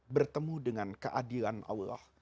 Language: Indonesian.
bertemu dengan keadilan allah